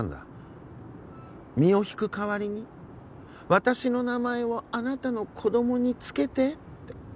「身を引く代わりに私の名前をあなたの子供に付けて」って。